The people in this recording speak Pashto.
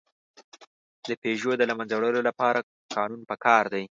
د پيژو د له منځه وړلو لپاره قانون پکار دی.